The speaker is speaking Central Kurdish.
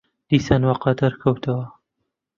دیسان وەقەدر کەوتەوە